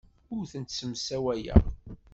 Ur tent-ssemsawayeɣ.